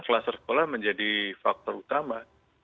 kluster sekolah menjadi faktor utama